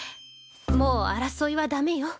もう争いはダメよ。